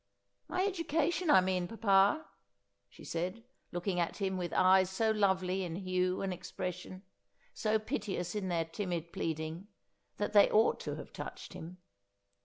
' My education, I mean, papa,' she said, looking at him with eyes so lovely in hue and expression, so piteous in their timid pleading, that they ought to have touched him.